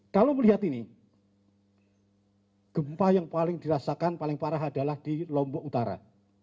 kalau melihat ini gempa yang paling dirasakan paling parah adalah di lombok utara